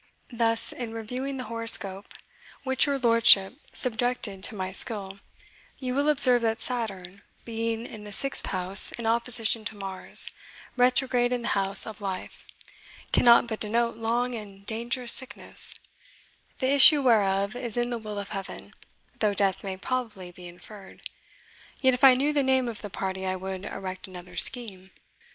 Thus, in reviewing the horoscope which your Lordship subjected to my skill, you will observe that Saturn, being in the sixth House in opposition to Mars, retrograde in the House of Life, cannot but denote long and dangerous sickness, the issue whereof is in the will of Heaven, though death may probably be inferred. Yet if I knew the name of the party I would erect another scheme."